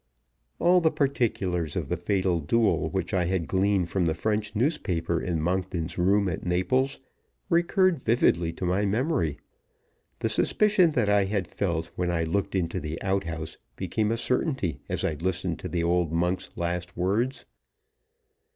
All the particulars of the fatal duel which I had gleaned from the French newspaper in Monkton's room at Naples recurred vividly to my memory. The suspicion that I had felt when I looked into the outhouse became a certainty as I listened to the old monk's last words.